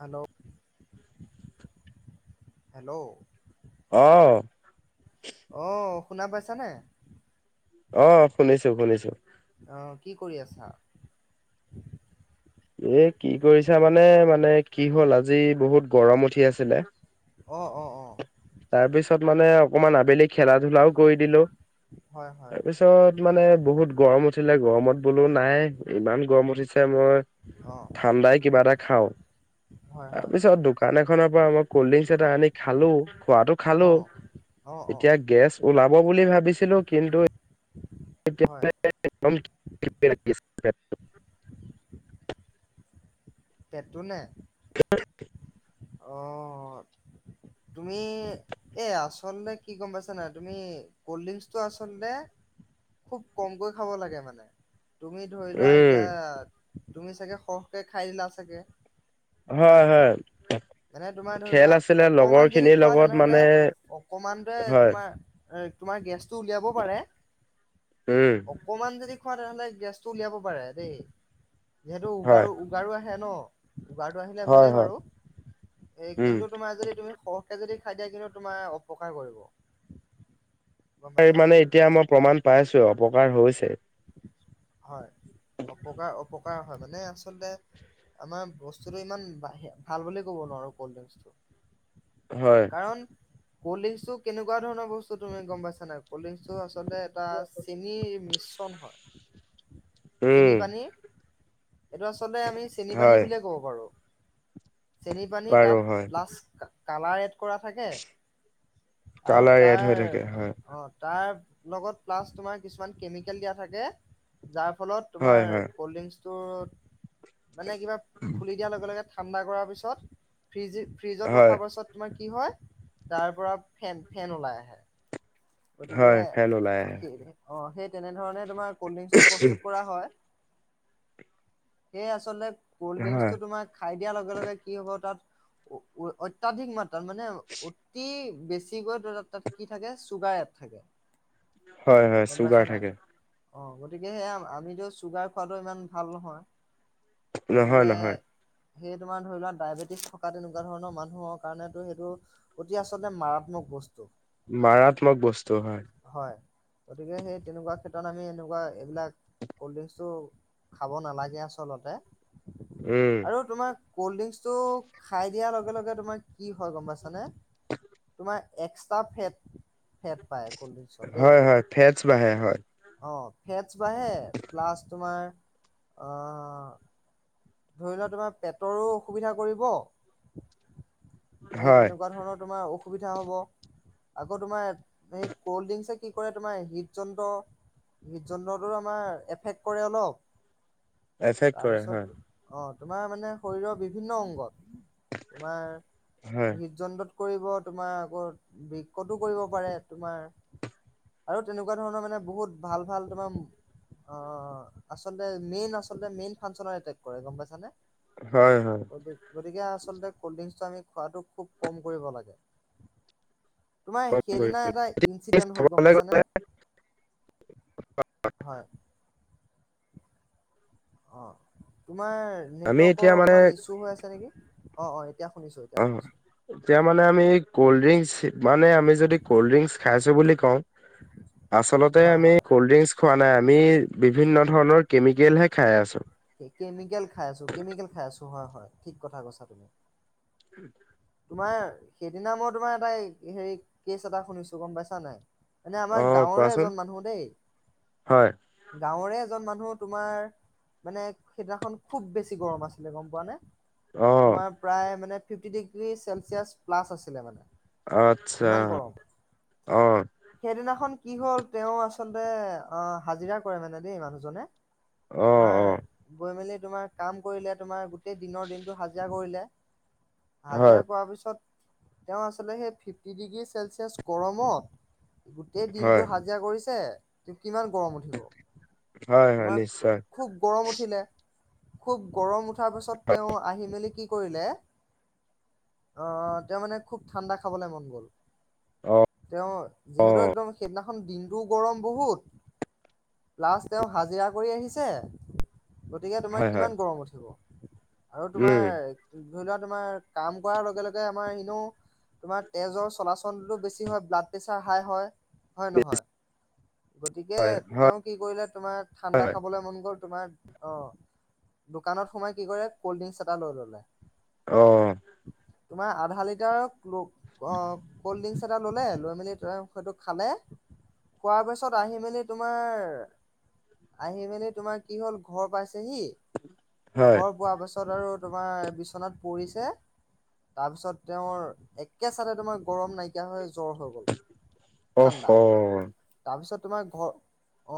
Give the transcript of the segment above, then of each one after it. Hello. [inaudible] Hello অ। অ শুনা পাইছানে? অ শুনিছো শুনিছো। অ কি কৰি আছা? এ কি কৰিছা মানে, মানে কি হ'ল আজি বহুত গৰম উঠি আছিলে। অ অ অ অ। ছত মানে অকমান আবেলি খেলা-ধুলাও কৰি দিলো। হয় হয় তাৰপিছত মানে বহুত গৰম উঠিলে, গৰমত- বোলো নাই ইমান গৰম উঠিছে মো অ ঠাণ্ডাই কিবাটা খাওঁ। হয় হয় তাৰপিছত দোকান এখনৰ পৰা মই কল্ড ড্ৰিংকছ এটা আনি খালো। খোৱাটো খালো, অ অ অ এতিয়া গেছ ওলাব বুলি ভাবিছিলো কিন্তু হয় [unintelligible] পেটটো নে। [unintelligible] অ' তুমি এই আচলতে কি গম পাইছা নাই তুমি কল্ড ড্ৰিংকচটো আচলতে খুব কমকৈ খাব লাগে মানে। তুমি ধৰি লোৱা উম এতিয়া। তুমি চাগে সৰহকে খাই দিলা চাগে। হয় - হয়। মানে তোমাৰ ধৰি লোৱা খেল আছিলে লগৰ অকমান যদি খিনিৰ খোৱা লগত তেনেহলে মানে অকমানটে হয় তোমাৰ এ' তোমাৰ গেছ। টো উলিয়াব পাৰে, উম আকণমন যদি। খোৱা তেনেহ'লে গেছটো উলিয়াব পাৰে দেই। সেইটো হয় উগাৰু উগাৰু আহে। হে ন' উগাৰটো আহিলে হয় ভালেই হয়। বাৰু। এ উম, কিন্তু তোমাৰ যদি তুমি সৰহ। সৰহ কে যদি খায় দিয়া কিন্তু তোমাৰ অপকাৰ কৰিব। গম পাইছা নাই মানে এতিয়া মই প্ৰমাণ পাইছো আও প্ৰমাণ। এবাৰ হৈছে। হয়। অপকাৰ অপকাৰ অহা ত মানে আচলতে আমাৰ বস্তুতটো ইমান ভাল বুলি ক'ব নোৱাৰো কল্ড হয়, ড্ৰিংক্সটো। কাৰণ কল্ড ল্ড্ৰিংক্সটো কেনেকুৱ ধৰণৰ বস্তু তুমি গম পাইছা নাই? কল্ড ল্ড্ৰিংক্স টো আচলতে এটা চেনিৰ মিশ্ৰণ হয়। উম, চেনি পানী এইটো আছ চলতে আমি চেনি পানী হয় বুলিয়ে কব পাৰো। চেনি পানী বাৰু তাত হয়। লাচ কালাৰ এড কৰা থাকে আৰু কালাৰ এড তাৰ হৈ থাকে হয়, অ' তাৰ লগত প্লাচ তোমাৰ কিছুমান কেমিকেল দিয়া থাকে যাৰ। ফলত তোমাৰ হয় হয়, কল্ড ড্ৰিংকছ টোৰত মানে কিবা খুলি দিয়াৰ লগে-লগে ঠাণ্ডা কৰাৰ পিছত ফ্ৰিজ-ফ্ৰিজত হয় ৰখাৰ পাছত তোমাৰ কি হয় তাৰ পৰা ফেন-ফেন ওলাই আহে। গতিকে হয় ফেন ওলাই আহে। সেই অ সেই কেনেধৰণে তোমাৰ কল্ড ড্ৰিংকটো প্ৰস্তুত কৰা হয়। সেই আচলতে। কল্ড হয়, ড্ৰিংকচটো তোমাৰ খাই দিয়াৰ লগে-লগে কি হ'ব তাত। অ-অত্যাধিক মাত্ৰ, তাৰ মানে অতি বেছি গৈ ত-ত তাত কি থাকে? চুগাঁৰ এড থাকে। হয়-হয় গম পাইছা চুগাৰ নাই থাকে। অ' গতিকে সেইয়া আমিতো চুগাৰ খোৱাাতটো ইমান ভাল নহয়। নহয় গতিকে নহয় সেই তোমাৰ ধৰি লোৱা ডায়েবেটিছ থকা তেনেকুৱা ধৰণৰ মানুহৰ কাৰণেতো সেইটো অতি আচলতে মাৰাত্মক বস্তু। মাৰাত্মক বস্তু হয়। হয় গতিকে সেই তেনেকুৱা ক্ষেত্ৰত আমি এনেকুৱা এইবিলাক কল্ ড্ৰিংকচটো খাব নালাগে আচলতে। উম, আৰু তোমাক ক'ল্ড ড্ৰিংকচটো খাই দিয়াৰ লগে লগে তোমাৰ কি হয় গম পাইছানে, তোমাৰ এক্সট্ৰা ফেট ফেট পায় কলড্ৰিংকচত দেই হয় হয় ফেটছ বাঢ়ে হয়, অ', ফেটছ বাঢ়ে প্লাছ তোমাৰ অহ, ধৰি লোৱা তোমাৰ পেটৰো অসুবিধা কৰিব। সেই হয় তেনেকুৱা ধৰণৰ তোমাৰ অখু অসুবিধা হ'ব আকৌ তোমাৰ সেই কল্ড্ৰিংকছে কি কৰে তোমাৰ হৃদ যন্ত্ৰ, হৃদ যন্ত্ৰটোৰ আমাৰ এফেক্ট কৰে অলপ। এফেক কৰে হয়। অঁ তোমাৰ মানে শৰীৰৰ বিভিন্ন অংগত তোমাৰ হয়, হৃদযন্ত্ৰত, কৰিব তোমাৰ, আকৌ বিকতো কৰিব পাৰে তোমাৰ আৰু তেনেকুৱা ধৰণৰ মানে বহুত ভাল, ভাল তোমাৰ অ', আচলতে মেইন আচলতে, মেইন ফানচনৰ এটেক কৰে গম পাইছানে? হয়, হয়। গতিকে আচলতে কল্ড ড্ৰিংকচটো আমি খোৱাটো খুব কম কৰিব লাগে। তোমাৰ কম কৰিব সেইদিনা এটা লাগে। ইনঞ্চিডেন্ট হ'ল গম চাবলৈ পাইছানে? গ'লে হয়। অ'। তোমাৰ আমি এতিয়া নেটৱৰ্কৰ মানে অকণমান ইছু হৈ আছে নেকি? অ', অ', এ অ', এতিয়া মানে আমি কল্ড ড্ৰিংচ মানে, আমি যদি কল্ড ড্ৰিংকচ খাইছোঁ বুলি কওঁ আচলতে হয় আমি হয় ক'ল ড্ৰিংকচ খোৱা নাই, আমি বিভিন্ন ধৰণৰ কেমিকেলহে খাই আছোঁ। কেমিকেল খাই আছোঁ, কেমিকেল খাই আছোঁ হয়, হয় ঠিক কথা কৈছা তুমি। [unintelligible] তোমাৰ সেইদিনা মই তোমাৰ এটা হেৰি কেছ এটা শুনিছোঁ গম পাইছা নাই? মানে আমাৰ অ' গাঁৱৰে কোৱাচোন এজন মানুহ দেই। হয় গাঁৱৰে এজন মানুহ তোমাৰ, মানে সেইদিনাখন খুব বেছি গৰম আছিলে গম পোৱা নে। অ' তোমাৰ প্ৰায় মানে [unintelligible] গ্ৰী চেলছিয়াছ প্লাছ আছিলে মানে। আচ্ছা, ইমান গৰম। অ'। সেইদিনাখন কি হ'ল তেওঁ আচলতে অ', হাজিৰা কৰে মানে দেই মানুহজনে। অ' তোমাৰ, অ' গৈ মেলি তোমাৰ কাম কৰিলে তোমাৰ গোটেই দিনৰ দিনটো হাজিৰা কৰিলে। হাজিৰা হয় কৰাৰ পিছত তেওঁ আচলতে সেই ফিফটি ডিগ্ৰী চেলছিয়াছ গৰমত গোটেই হয় দিনটো হাজিৰা কৰিছে কিমান গৰম উঠিব, হয় হয় তোমাৰ নিশ্চয় খুব গৰম উঠিলে খুব গৰম উ উঠাৰ পাছত তেওঁ আহি মেলি কি কৰিলে অ', তেওঁৰ মানে খুব ঠাণ্ডা খাবলে মন গ'ল। অ' তেওঁ যিহেতু অ' একদম সেইদিনা খন দিনটোও গৰম বহুত, ল্লাষ্ট তেওঁ হাজিৰা কৰি আহিছে গতিকে তোমাৰ হয় হয় কিমান গৰম উঠিব। আৰু তোমাৰ উম ধৰি লোৱা তোমাৰ কাম কৰাৰ লগে লগে আমাৰ এনেও তোমাৰ তেজৰ চলাচলটোতো বেছি হয় ব্লাড প্ৰেছাৰ হাই হয়। হয় নহয়। গতিকে হয় হয় তেওঁ কি কৰিলে তোমাৰ ঠাণ্ডা হয় খাবলৈ মন গ'ল। তোমাৰ অ', দোকানত সোমাই কি কৰে কলড্ৰিংকছ এটা লৈ ল'লে। অ'। তোমাৰ আধা লিটাৰৰ অ' কল্ড ড্ৰিংকছ এটা ল'লে [unintelligible] খালে, খোৱাৰ পিছত আহি মেলি তোমাৰ, আহি মেলি তোমাৰ কি হ'ল ঘৰ পাইছে সি, হয় ঘৰ পোৱা পা ত আৰু তোমাৰ বিচনাত পৰিছে। তাৰপিছত তেওঁৰ একে চাতে তোমাৰ গৰম নাইকিয়া হৈ জ্বৰ হৈ গ'ল অ হ। ঠাণ্ডা তাৰপিছত তোমাৰ ঘৰ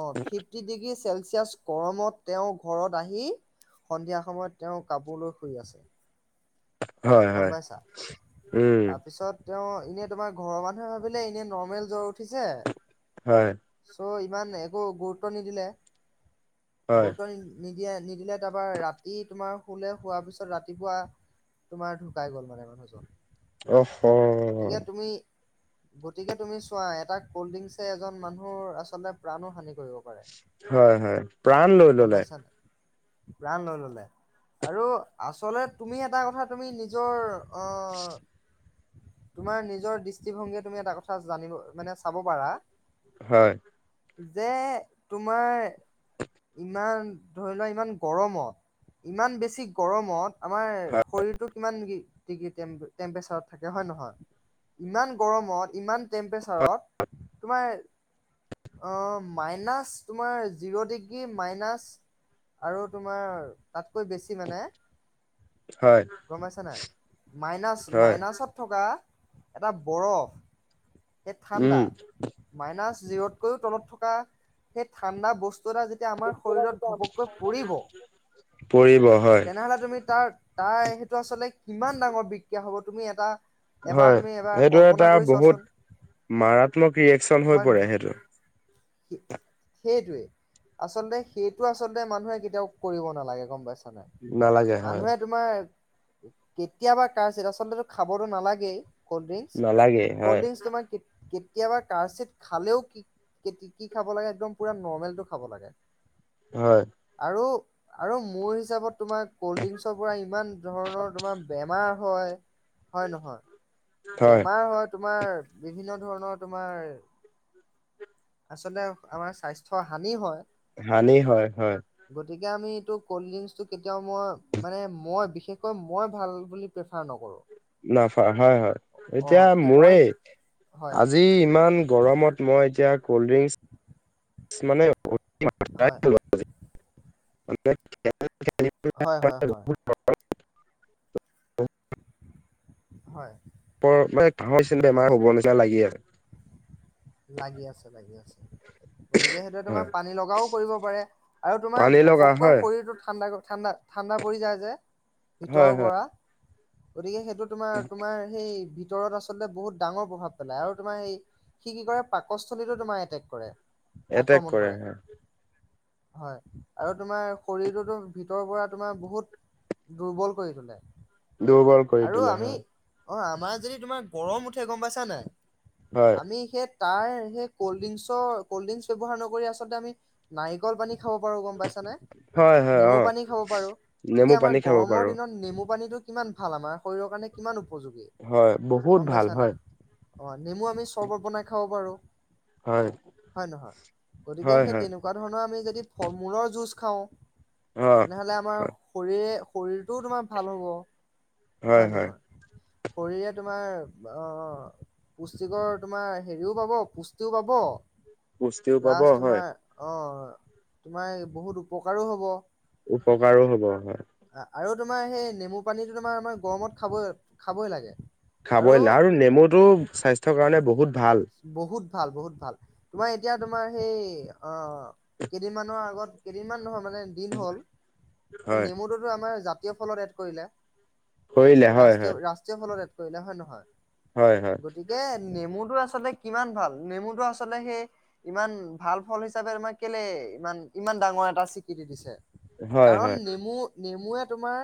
অ ফিফটি ডিগ্ৰী চেল গৰমত তেওঁৰ ঘৰত আহি সন্ধিয়া সময়ত তেওঁ কাপোৰলৈ শুই আছে। হয় গম হয়। পাইছা। উম। তাৰপিছত তেওঁ এনে তোমাৰ ঘৰৰ মানুহে ভাবিলে এনে নৰ্মেল জ্বৰ উঠ উঠিছে হয় চ' ইমান একো গুৰুত্ব নিদিলে। হয় গুৰুত্ব নি নি দিয়ে। নিদিলে তাৰপৰা ৰাতি তোমাৰ শুলে শোৱাৰ পিছত ৰাতিপুৱা তোমাৰ ঢুকাই গ'ল মানে মানুহজন। অহ হ। গতিকে তুমি গতিকে তুমি চোৱা এটা কল্ড ড্ৰিংচে এজন মানুহৰ আচলতে প্ৰাণো হানি কৰে হয় হয়, প্ৰাণ লৈ গম ললে। পাইছা। প্ৰাণ লৈ ল'লে আৰু আচলতে তুমি এটা কথা তুমি নিজৰ অ [inaudible] তোমাৰ নিজৰ দৃষ্টিভংগীয়ে তুমি এটা কথা জানিব মানে চাব পাৰা। হয়। যে তোমাৰ ইমান, ধৰি লোৱা ইমান গৰমত, ইমান বেছি গৰমত আমাৰ হয় শৰীৰ কিমান ডিগ্ৰী তেম্পেচাৰ হৈ থাকে হয় নহয় ইমান গৰমত ইমান তেম্পেচাৰ তোমাৰ মাইনাছ তোমাৰ জিৰ' ডিগ্ৰী মাইনাছ তোাৰ তাতকৈ বেছি মানে হয় গম পইচা নাই? মাইনাছ, হয় মাইনাছত থকা। এটা বৰফ। এ ঠাণ্ডা, উম মাইনাছ জিৰতকৈও তলত থকা সেই ঠাণ্ডা বস্তু বস্তু এটা যেতিয়া আমাৰ শৰীৰত ঘপককৈ পৰিব, পৰিব হয় তেনেহলে তুমি তাৰ তাই টো আচলতে কিমান ডাঙৰ বিক্ৰিয়া হ'ব তুমি এটা এবাৰ হয় তুমি এবাৰ সেইটো কল্পনা এটা কৰি বহুত চোৱাচোন মাৰাত্মক ৰিয়েকচন হৈ হয় পৰে নহয় সেইটো। সেইটোৱে আচলতে সেইটো আচলতে মানুহে কেতিয়াও কৰিব নালাগে, গম পাইছে? নালাগে হয় মানুহে তোমাৰ কেতিয়াবা কাতচিত আচলতে খাবতো নালাগেই। ক'ল্ড ড্ৰিংচ, নালাগে ক'ল্ড হয় ড্ৰিংচ তোমাৰ ক কেতিয়াবা কাৎচিৎ খালেও, কি কি খাব লাগে, একদম পোৰা নৰ্মেলটো খাব লাগে। হয় আৰু আৰু মোৰ হিচাপত তোমাৰ কল্ড ড্ৰিংকচৰ পৰা ইমান ধৰণৰ তোমাৰ বেমাৰ হয়। হয়-নহয়। বেমাৰ হয় তোমাৰ তোমাৰ বিভিন্ন ধৰণৰ তোমাৰ আচলতে আমাৰ স্বাস্থ্যৰ হানি হয়। হানি হয়, হয়। তিকে আমি এইটো ক'ল্ড ড্ৰিংকচটো কেতিয়াও মই মানে, মই বিশেষকৈ মই ভাল বুলি প্ৰেফাৰ নকৰোঁ। [unintelligible] হয়, হয় অ এতিয়া কি অইন মোৰেই! হয় আজি ইমান গৰমত মই এতিয়া ক'ল্ড-ড্ৰিংকচ মানে হয়। [inaudible] হয় হয় হয় [inaudible] [inaudible] হয়। [unintelligible] বেমাৰ হ'ব নিচিনা লাগিয়ে আছে। লাগি আছে, লাগি আছে। গতিকে, সেইটোৱে তোমাৰ হয় পানী লগাও কৰিব পাৰে আৰু তোমাৰ পানী লগা ঘপককৈ হয় শৰীৰটো ঠাণ্ডা ক ঠাণ্ডা ঠাণ্ডা পৰি যায় যে ভিতৰৰ হয় হয় পৰা। গতিকে সেই তো তোমাৰ তোমাৰ সেই ভিতৰত আচলতে বহুত ডাঙৰ প্ৰভাৱ পেলায়, আৰু তোমাৰ এই সি কি কৰে পাকস্থলীতো তোমাৰ এটেক কৰে। এটেক কৰে হয়। হয় আৰু তোমাৰ শৰীৰটোতো ভিতৰৰ পৰা তোমাৰ বহুত দুৰ্বল কৰি তোলে। দুৰ্বল কৰি আৰু তোলে আমি হয়। অ', আমাৰ যদি তোমাৰ গৰম উঠে গম পাইছা নাই হয় আমি তাৰ সেই কল্ড ড্ৰিংকছৰ কল্ড ড্ৰিংকছ ব্যৱহাৰ নকৰি আচলতে আমি নাৰিকল পানী খাব পাৰো গম পাইছা নে হয় হয় নেমু অ পানী খাব পাৰো নেমু এতিয়া আমাৰ পানী খাব গৰমৰ পাৰো দিনত নেমু পানীটো কিমান ভাল আমাৰ শৰীৰৰ কাৰণে কিমান উপযোগী হয় বহুত গম ভাল পাইছা নাই। হয়। অ নেমু আমি চৰ্বত বনাই খাব পাৰোঁ হয় হয় নহয় গতিকে হয় সেই হয় তেনেকুৱা ধৰণৰ আমি ফল মূলৰ জোছ খাওঁ অ তেনেহলে আমাৰ হয় শৰীৰে শৰীৰটোও তোমাৰ ভাল হ'ব হয় নহয় শৰীৰে তোমাৰ অ, পুষ্টিকৰ তোমাৰ হেৰিও পাব পুষ্টিও পাব পুষ্টিও পাব প্লাছ হয় তোমাৰ অ, তোমাৰ বহুত উপকাৰো হ'ব। উপকাৰো হ'ব হয়, আৰু তোমাৰ সেই নেমু পানীটোতো তোমাৰ আমাৰ গৰমত খাব-খাবই লাগে। খাবই লা আৰু নেমুটো স্বাস্থ্যৰ কাৰণে ব বহুত ভাল বহুত ভাল, তোমাৰ এতিয়া তোমাৰ সেই, অ, কেইদিনমানৰ আগত কেইদিনমান নহয়। মানে দিন হ'ল, হয় নেমুটোতো আমাৰ জা জাতীয় ফলত এড কৰিলে। কৰিলে হয় হয় ৰাষ্ট্ৰীয়-ৰাষ্ট্ৰীয় ফলত এ কৰিলা হয় নহয়? হয় হয় গতিকে নেমু আচলতে কিমান ভাল নেমুটো আচলে সেই ইমান ভাল ফল হিচাপে তমাক কেলে, ইমান-ইমান ডাঙৰ এটা স্বীকৃতি দিছে। হয় কাৰণ হয় নেমু-নেমু মোয়ে তোমাৰ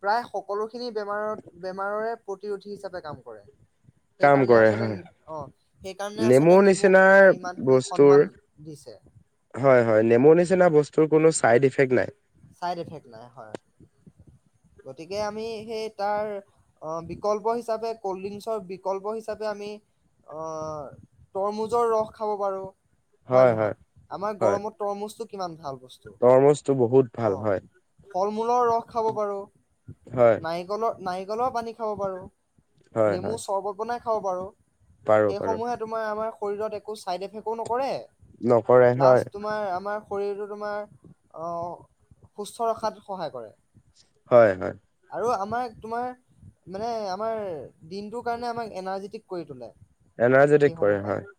প্ৰায় সকলোখিনি বেমাৰৰ বেমাৰৰে প্ৰতিৰোধী হিচাপে কাম কৰে কাম সেইকাৰণে কৰে আচলে হয় অ সেইকাৰণে আচলতে নেমুৰ নেমুক তোমাৰ নিচিনাৰ ইমানখিনি বস্তৰ সন্মান দিছে হয় হয় নেমু নিচিনা বস্তুৰ কোনো চাইড ইফেক্ট চাইড এফেক্ট হয় নাই গতিকে আমি সেই তাৰ অ বিকল্প হিচাপে কল্ড ড্ৰিংকছৰ বিকল্প হিচাপে আমি অ তৰমুজৰ ৰস খাব পাৰোঁ হয় নহয় আমাৰ হয় গৰমত তৰমুজটো কিমান ভাল বস্তু তৰমুজটো বহুত ভাল অঁ হয় ফল মূলৰ ৰস খাব পাৰোঁ হয় নাৰিকলৰ নাৰিকলৰ পানী খাব পাৰো হয় নেমু হয় চৰবত বনাই খাব পাৰো পাৰো সেই পাৰো সমূহে তোমাৰ আমাৰ। শৰীৰত একো চাইড এফেকো নক কৰে নকৰে প্লাছ হয় তোমাৰ আমাৰ শৰীৰটো তোমাৰ অ সুস্থ ৰখাত সহায় কৰে। হয় হয়। আৰু আমাক তোমাৰ মানে আমাৰ দিনটোৰ কাৰণে আমাক এনাৰ্জেটিক কৰি তোলে। এনাৰ্জেটিক সেইসমূহ কৰে পানী হয়।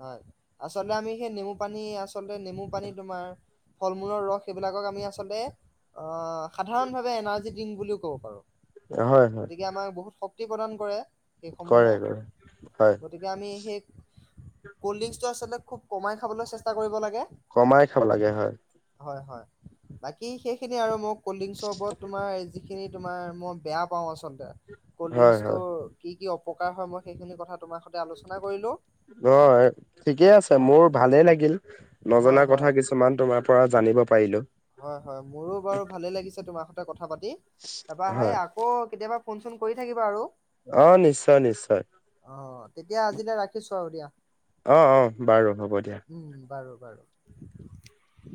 হয় আচলতে আমি সেই নেমু পানী আচলতে নেমু পানী তোমাৰ ফল মূলৰ ৰস সেইবিলাকক আমি আচলতে সাধাৰণভাৱে এনাৰ্জি ড্ৰিংক বুলিও ক'ব পাৰো। হয় হয় গতিকে আমাৰ বহুত শ ক্তি প্ৰদান কৰে কৰে সেইসমূহে। কৰে হয় গতিকে আমি সেই কল্ড্ৰিংকচটো আচলতে খুব কমাই খাবলৈ চেষ্টা কৰিব লাগে। কমাই খাব লাগে হয়। হয় হয় বাকী সেইখিনি আৰু মোক কল্ড্ৰিংকৰ ওপৰত তোমাৰ যিখিনি তোমাৰ মই বেয়া পাওঁ আচলতে। হয় হয় কল্ড্ৰিংকটো কি কি অ পকাৰ হয় মই সেইখিনি কথা তোমাৰ সতে আলোচনা কৰিলোঁ। অ ঠিকেই আছে মোৰ ভালে লাগিল হয় নজনা হয় কথা কিছুমান তোমাৰ পৰা জানিব পাৰিলোঁ। হয় হয় মোৰো বাৰু ভালে লাগিছে ত তোমাৰহতে কথা। কথা পাতি তাৰপা সেই হয় আকৌ কেতিয়াবা। ফোন চোন কৰি থাকিবা আৰু আহ নিশ্চয় নিশ্চয় অ তেতিয়া আজিলৈ ৰাখিছো আৰু দিয়া আহ আহ বাৰু হব দিয়া। উম বাৰু বাৰু। [unintelligible]